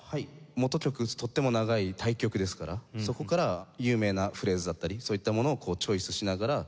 元曲とっても長い大曲ですからそこから有名なフレーズだったりそういったものをこうチョイスしながら。